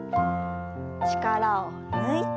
力を抜いて。